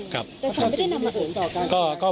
แต่ศาลไม่ได้นำมาอื่นต่อกันนะครับ